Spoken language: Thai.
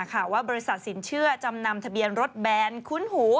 ว่าบริษัทสินเชื่อจำนำทะเบียนรถแบนคุ้นหู